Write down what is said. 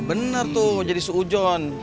bener tuh jadi seuzon